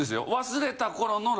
忘れた頃の。